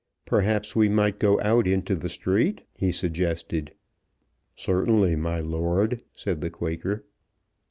"Perhaps we might go out into the street?" he suggested. "Certainly, my lord," said the Quaker.